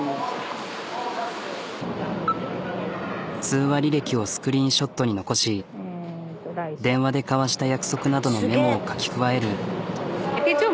通話履歴をスクリーンショットに残し電話で交わした約束などのメモを書き加える。